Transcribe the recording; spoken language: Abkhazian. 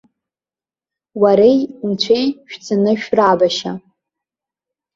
Уареи унцәеи шәцаны шәрабашьы.